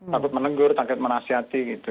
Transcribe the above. takut menegur takut menasihati gitu